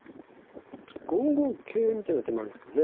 ５五桂みたいな手もあるんですけどね。